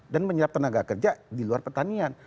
dan menyerap tenaga kerja di luar pertanian